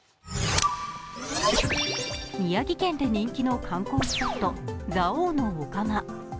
宮城県で人気の観光スポット、蔵王のお釜。